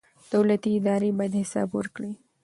دولتي ادارې باید حساب ورکړي.